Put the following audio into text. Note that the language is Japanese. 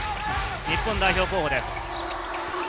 日本代表候補選手です。